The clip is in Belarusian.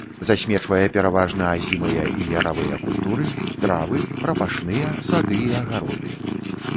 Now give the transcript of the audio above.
Засмечвае пераважна азімыя і яравыя культуры, травы, прапашныя, сады і агароды.